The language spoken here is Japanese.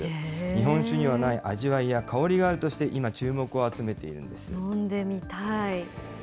日本酒にはない味わいや香りがあるとして、今、注目を集めている飲んでみたい。